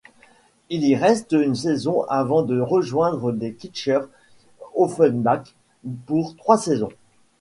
Il y reste une saison avant de rejoindre les Kickers Offenbach pour trois saisons.